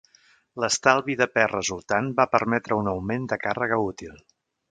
L'estalvi de pes resultant va permetre un augment de càrrega útil.